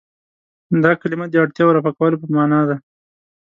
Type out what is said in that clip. دا کلمه د اړتیاوو رفع کولو په معنا ده.